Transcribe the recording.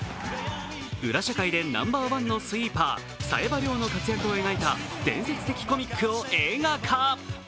裏社会でナンバーワンのスイーパー・冴羽りょうの活躍を描いた伝説的コミックを映画化。